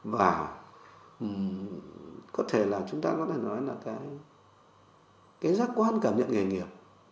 và có thể là chúng ta có thể nói là cái giác quan cảm nhận nghề nghiệp